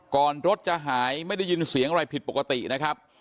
รถจะหายไม่ได้ยินเสียงอะไรผิดปกตินะครับ